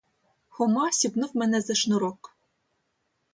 Хома сіпнув мене за шнурок.